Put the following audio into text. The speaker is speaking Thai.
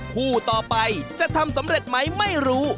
คู่ต่อไปจะทำสำเร็จไหมไม่รู้